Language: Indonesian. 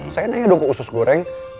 saya nanya dong ke usus goreng